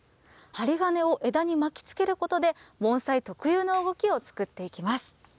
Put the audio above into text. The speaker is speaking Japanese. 針金を枝に巻き付けることで、盆栽特有の動きを作っていきます。